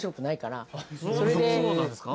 そうなんですか？